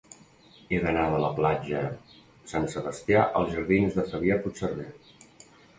He d'anar de la platja Sant Sebastià als jardins de Fabià Puigserver.